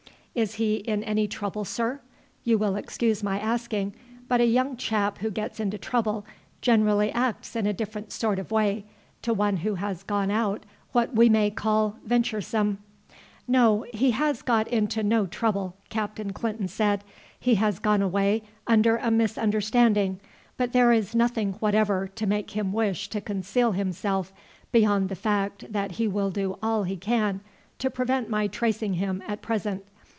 Is he in any trouble, sir? You will excuse my asking, but a young chap who gets into trouble generally acts in a different sort of way to one who has gone out what we may call venturesome." "No, he has got into no trouble," Captain Clinton said. "He has gone away under a misunderstanding, but there is nothing whatever to make him wish to conceal himself beyond the fact that he will do all he can to prevent my tracing him at present.